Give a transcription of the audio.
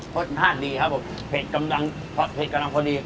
รสชาติดีครับผมเผ็ดกำลังพอเผ็ดกำลังพอดี